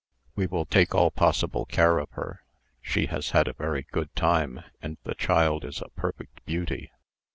"We will take all possible care of her. She has had a very good time, and the child is a perfect beauty."